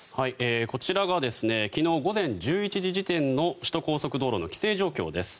こちらが昨日午前１１時時点の首都高速道路の規制状況です。